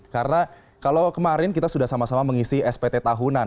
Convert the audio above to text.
karena kalau kemarin kita sudah sama sama mengisi spt tahunan